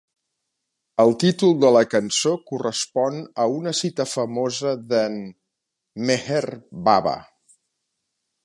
El títol de la cançó correspon a una cita famosa de"n Meher Baba.